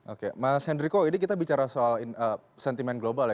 oke mas henryco ini kita bicara soal sentimen global ya